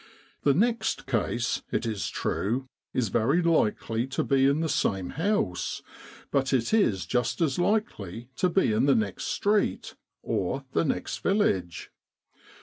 The next case, it is true, is very likely to be in the same house ; but it is just as likely to be in the next street, or the next village.